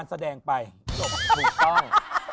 แสดงไปหลบถูกต้อง